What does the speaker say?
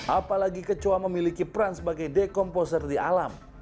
apalagi kecoa memiliki peran sebagai dekomposer di alam